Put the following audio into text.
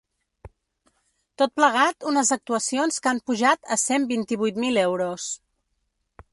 Tot plegat unes actuacions que han pujat a cent vint-i-vuit mil euros.